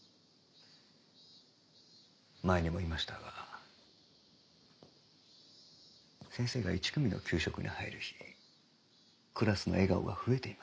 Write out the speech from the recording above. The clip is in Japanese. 前にも言いましたが先生が１組の給食に入る日クラスの笑顔が増えています。